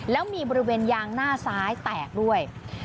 แล้วมีบริเวณยางหน้าซ้ายแตกด้วย